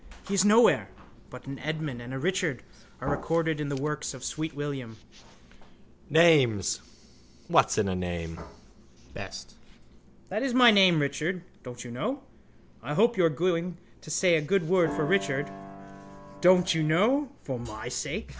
He is nowhere: but an Edmund and a Richard are recorded in the works of sweet William. MAGEEGLINJOHN: Names! What's in a name? BEST: That is my name, Richard, don't you know. I hope you are going to say a good word for Richard, don't you know, for my sake.